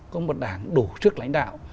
có một đảng đủ trước lãnh đạo